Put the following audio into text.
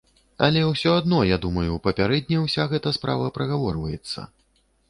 Але ўсё адно, я думаю, папярэдне ўся гэта справа прагаворваецца.